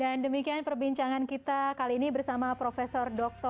dan demikian perbincangan kita kali ini bersama profesor doron